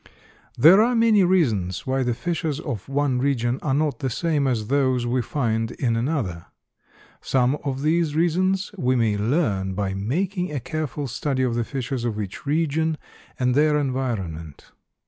There are many reasons why the fishes of one region are not the same as those we find in another. Some of these reasons we may learn by making a careful study of the fishes of each region, and their environment.